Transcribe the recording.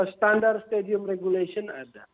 standar stadium regulation ada